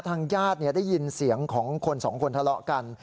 ทางญาติได้ยินเสียงของคนสองคนทะเลาะกัน